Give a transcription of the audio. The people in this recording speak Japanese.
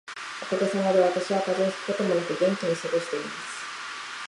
おかげさまで、私は風邪をひくこともなく元気に過ごしています。桜が咲くころには、またお会いしたいですね。